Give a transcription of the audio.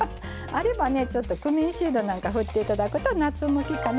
あればねクミンシードなんか振っていただくと夏向きかなと思います。